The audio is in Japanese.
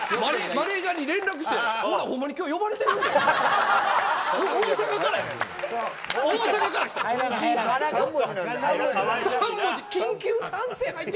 マネジャーに連絡してほんまに今日呼ばれてる？って。